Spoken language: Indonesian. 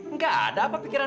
nggak ada apa pikiranmu